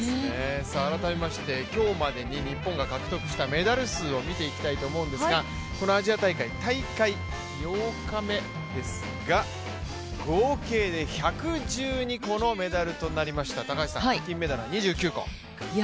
改めまして今日までに日本が獲得したメダル数を見ていきたいと思うんですがこのアジア大会、大会８日目ですが合計で１１２個のメダルとなりました金メダルは２９個。